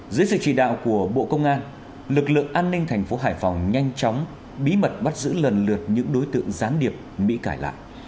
dưới sự chỉ đạo của bộ công an lực lượng an ninh thành phố hải phòng nhanh chóng bí mật bắt giữ lần lượt những đối tượng gián điệp bị cải lại